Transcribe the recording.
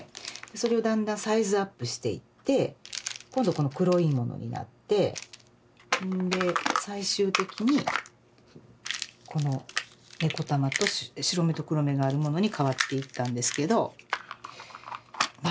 それをだんだんサイズアップしていって今度この黒いものになってほんで最終的にこの白目と黒目があるものに変わっていったんですけどま